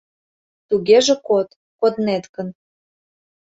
— Тугеже код, коднет гын.